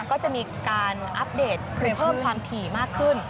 ก็จะมีการอัปเดตคือเพิ่มความถี่มากขึ้น